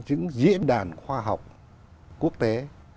những diễn đàn khoa học quốc tế